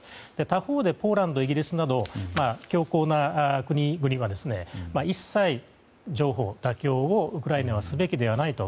他方でポーランド、イギリスなど強硬な国々は、一切譲歩、妥協をウクライナはすべきではないと。